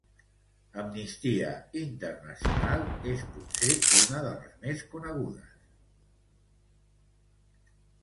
Amnistia Internacional és potser una de les més conegudes.